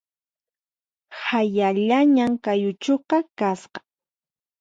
Hayallañan kay uchuqa kasqa